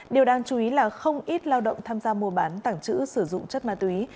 điều đáng chú ý là không ít lao động tham gia mua bán tảng trữ sử dụng chất ma túy